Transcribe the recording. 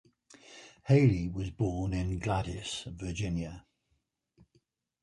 Haley was born in Gladys, Virginia.